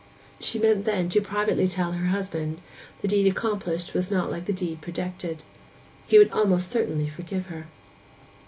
She meant then to privately tell her husband: the deed accomplished was not like the deed projected. He would almost certainly forgive her.